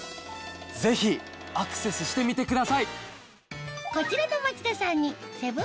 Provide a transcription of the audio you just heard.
ぜひアクセスしてみてください！